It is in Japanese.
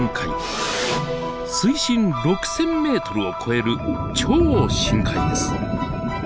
水深６，０００ｍを超える超深海です。